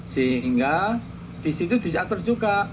sehingga di situ diatur juga